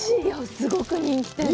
すごく人気店で。